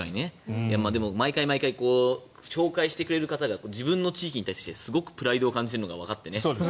毎回毎回紹介してくれる方が自分の地域に対してすごくプライドを感じているのがわかって。